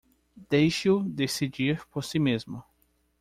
Deixe-o decidir por si mesmo